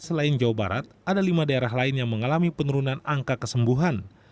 selain jawa barat ada lima daerah lain yang mengalami penurunan angka kesembuhan